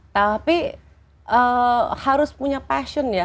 tapi harus punya passion ya